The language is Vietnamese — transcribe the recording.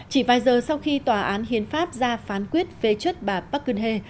chỉ vài giờ sau khi tòa án hiến pháp ra phán quyết phế chất bà park geun hye